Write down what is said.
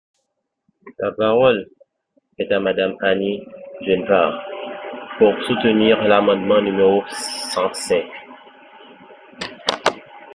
La parole est à Madame Annie Genevard, pour soutenir l’amendement numéro cent cinq.